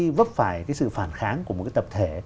khi vấp phải sự phản kháng của một tập thể